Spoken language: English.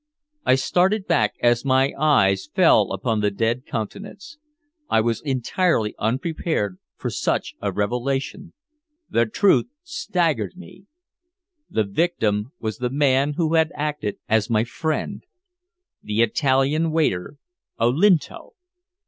I started back as my eyes fell upon the dead countenance. I was entirely unprepared for such a revelation. The truth staggered me. The victim was the man who had acted as my friend the Italian waiter, Olinto.